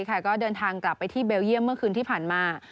ก็เดินทางกลับไปที่เบลเยี่ยมเมื่อคืนที่ผ่านมา